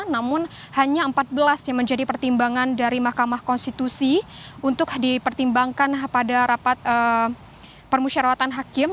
namun hanya empat belas yang menjadi pertimbangan dari mahkamah konstitusi untuk dipertimbangkan pada rapat permusyaratan hakim